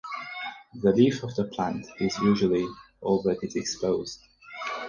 The leaf of the plant is usually all that is exposed.